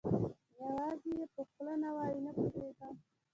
یوازې یې په خوله نه وایي، نه پوهېږم.